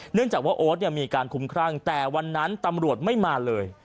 เนื่องจากว่าโอ๊ตมีการคุ้มครั่งแต่วันนั้นตำรวจไม่มาเลย